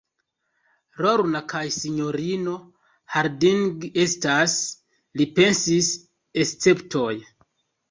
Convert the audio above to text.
Lorna kaj sinjorino Harding estas, li pensis, esceptoj.